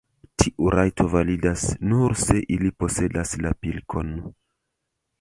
Tiu rajto validas, nur se ili posedas la pilkon.